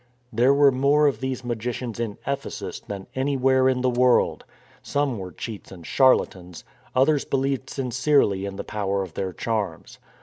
There were more of these magicians in Ephesus than anywhere in the world. Some were cheats and charlatans, others believed sincerely in the power of their charms.